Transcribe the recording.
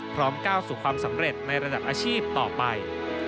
ก้าวสู่ความสำเร็จในระดับอาชีพต่อไป